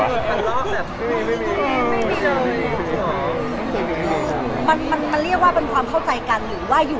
ไม่มีเลย